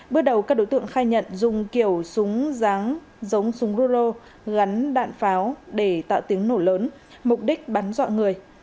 bước đầu các đối tượng khai nhận dùng kiểu súng ráng giống súng ruro gắn đạn pháo để tạo tiếng nổ lớn mục đích bắn dọa người